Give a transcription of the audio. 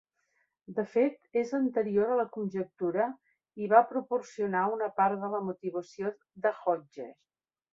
De fet, és anterior a la conjectura i va proporcionar una part de la motivació de Hodge.